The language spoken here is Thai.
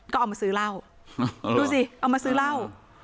ก็เอามาซื้อเหล้าดูสิเอามาซื้อเหล้า